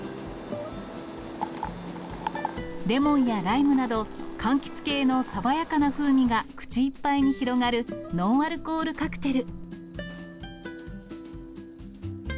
レモンやライムなど、かんきつ系の爽やかな風味が口いっぱいに広がる、ノンアルコールカクテル。